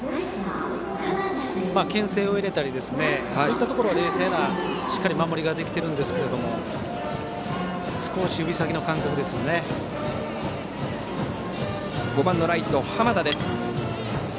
けん制を入れたりそういったところで冷静なしっかり守りができているんですがバッター５番ライト、濱田。